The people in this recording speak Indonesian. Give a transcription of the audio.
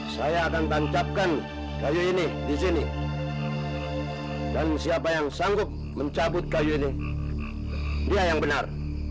saya akan tancapkan kayu ini di sini dan siapa yang sanggup mencabut kayu ini dia yang benar